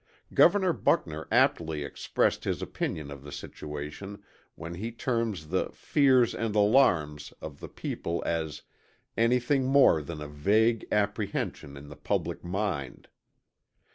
Governor Buckner aptly expressed his opinion of the situation when he terms the "fears and alarms" of the people as "anything more than a vague apprehension in the public mind."